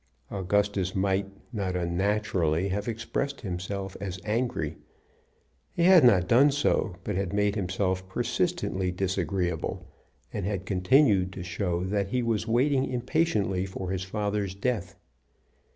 Augustus might, not unnaturally, have expressed himself as angry. He had not done so but had made himself persistently disagreeable, and had continued to show that he was waiting impatiently for his father's death.